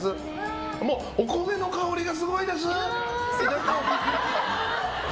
お米の香りがすごいです！